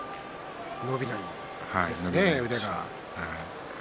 伸びないんですね、腕が。